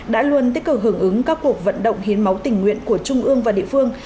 đã luôn tích cực hưởng ứng các cuộc vận động hiến máu tình nguyện của trung ương và địa phương